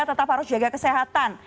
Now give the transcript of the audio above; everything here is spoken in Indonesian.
tetap harus jaga kesehatan